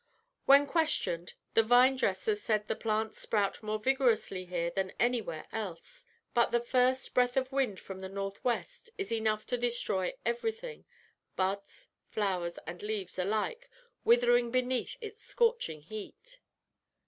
When questioned, the vine dressers said the plants sprout more vigorously here than anywhere else, but the first breath of wind from the north west is enough to destroy everything; buds, flowers, and leaves alike withering beneath its scorching heat.